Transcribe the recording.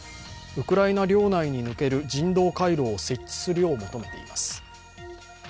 ウクライナ領内に抜ける人道回廊を設置するよう求めています。